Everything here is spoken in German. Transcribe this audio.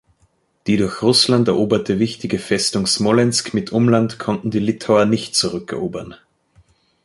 Die durch Russland eroberte wichtige Festung Smolensk mit Umland konnten die Litauer nicht zurückerobern.